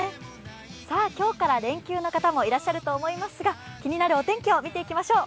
今日から連休の方もいらっしゃると思いますが気になるお天気を見ていきましょう。